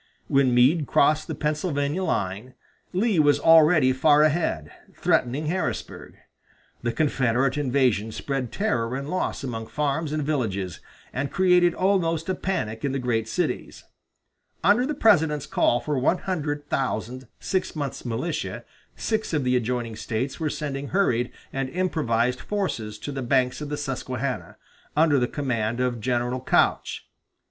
When Meade crossed the Pennsylvania line, Lee was already far ahead, threatening Harrisburg. The Confederate invasion spread terror and loss among farms and villages, and created almost a panic in the great cities. Under the President's call for one hundred thousand six months' militia six of the adjoining States were sending hurried and improvised forces to the banks of the Susquehanna, under the command of General Couch.